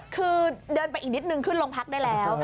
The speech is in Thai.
คือเดินไปอีกนิดนึงขึ้นลงพักได้แล้ว